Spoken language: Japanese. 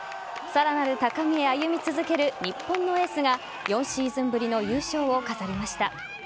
さらなる高みへ歩み続ける日本のエースが４シーズンぶりの優勝を飾りました。